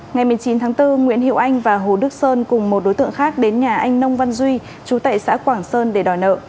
ngày một mươi chín tháng bốn nguyễn hiệu anh và hồ đức sơn cùng một đối tượng khác đến nhà anh nông văn duy chú tệ xã quảng sơn để đòi nợ